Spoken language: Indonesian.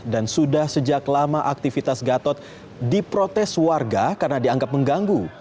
dan sudah sejak lama aktivitas gatot diprotes warga karena dianggap mengganggu